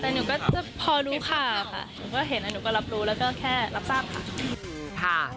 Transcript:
แต่หนูก็พอรู้ข่าวค่ะหนูก็เห็นหนูก็รับรู้แล้วก็แค่รับทราบข่าว